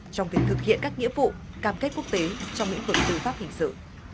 trong việc thực hiện các nghĩa vụ cam kết quốc tế trong lĩnh vực tư pháp hình sự